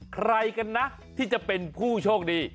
ใครกันนะที่จะเป็นผู้โชคดี